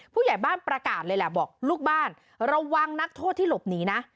ผู้ใหญ่บ้านประกาศเลยแหละบอกลูกบ้านระวังนักโทษที่หลบหนีนะ